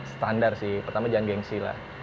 standar sih pertama jangan gengsi lah